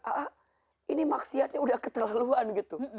ah ini maksiatnya udah keterlaluan gitu